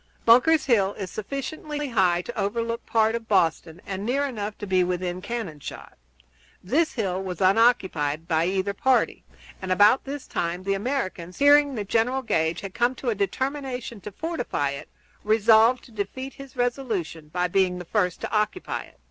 Bunker's Hill is sufficiently high to overlook any part of Boston and near enough to be within cannon shot. This hill was unoccupied by either party, and about this time the Americans, hearing that General Gage had come to a determination to fortify it, resolved to defeat his resolution by being the first to occupy it.